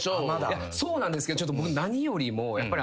そうなんですけどちょっと僕何よりもやっぱり。